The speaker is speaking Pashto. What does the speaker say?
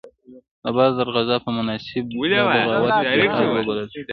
د بدر د غزا په مناسبت دا بغاوت جهاد وبلل شو.